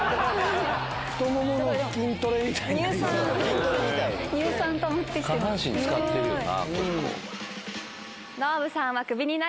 太ももの筋トレみたいな。